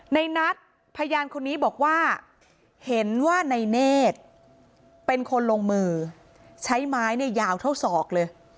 ในนัทพยานคนนี้บอกว่าเห็นว่าในเนธเป็นคนลงมือใช้ไม้เนี่ยยาวเท่าศอกเลย